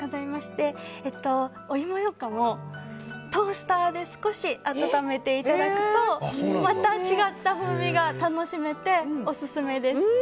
芋ようかんをトースターで少し温めていただくとまた違った風味が楽しめてオススメです。